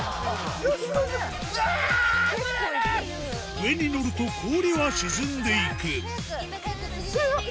上に乗ると氷は沈んでいく早く！